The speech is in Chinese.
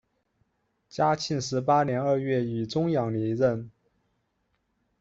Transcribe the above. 嘉庆十八年二月以终养离任。